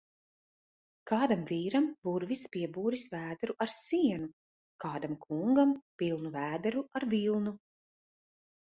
Kādam vīram burvis piebūris vēderu ar sienu, kādam kungam pilnu vēderu ar vilnu.